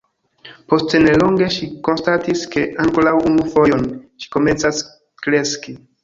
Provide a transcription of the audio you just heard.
Post ne longe ŝi konstatis ke ankoraŭ unu fojon ŝi komencas kreski.